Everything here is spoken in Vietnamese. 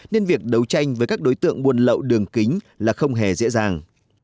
nên việc đấu tranh với các đối tượng buôn lậu đường kính là không hề dễ dàng